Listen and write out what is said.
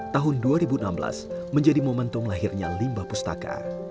tahun dua ribu enam belas menjadi momentum lahirnya limbah pustaka